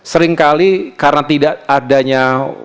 seringkali karena tidak adanya